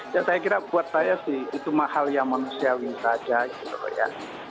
ya saya kira buat saya sih itu mahal yang manusiawi saja gitu loh ya